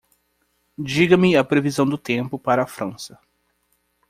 Diga-me a previsão do tempo para a França